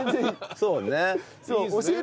そうね。